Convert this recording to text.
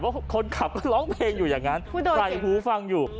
เพราะคนขับก็ร้องเพลงอยู่อย่างนั้นใส่หูฟังอยู่